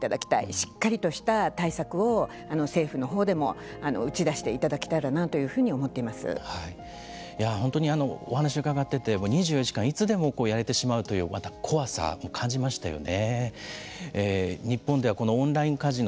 しっかりとした対策を政府のほうでも打ち出していただけたらなというふうに本当に、お話を伺っていて２４時間いつでもやれてしまうというまた怖さも感じましたよね。